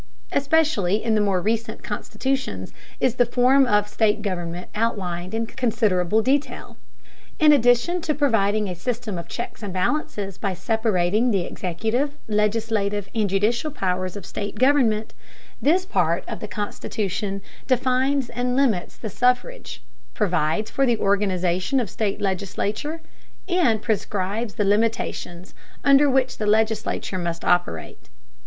Especially in the more recent constitutions is the form of state government outlined in considerable detail. In addition to providing a system of checks and balances by separating the executive, legislative, and judicial powers of state government, this part of the constitution defines and limits the suffrage, provides for the organization of the state legislature, and prescribes the limitations under which the legislature must operate.